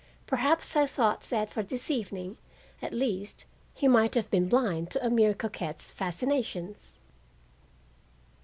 Perhaps I thought that for this evening, at least, he might have been blind to a mere coquette's fascinations.